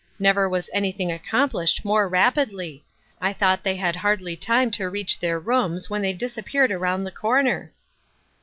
Never was anything accomplished more rapidly. I thought they had hardly time to reach their rooms when they disappeared around the corner.'